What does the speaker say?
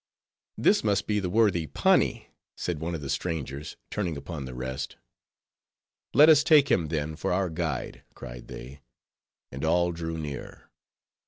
"This must be the worthy Pani," said one of the strangers, turning upon the rest. "Let us take him, then, for our guide," cried they; and all drew near.